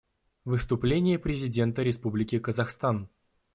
Выступление президента Республики Казахстан.